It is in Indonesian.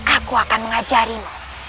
aku akan mengajarimu